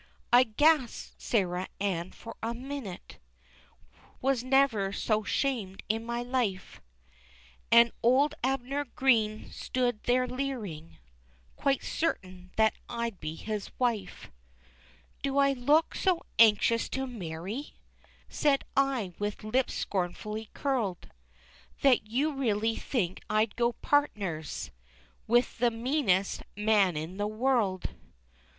I gasped, Sarah Ann, for a minute, Was never so shamed in my life, And old Abner Green stood there leering, Quite certain, that I'd be his wife. "Do I look so anxious to marry?" Said I, with lips scornfully curled, "That you really think I'd go partners With the meanest man in the world?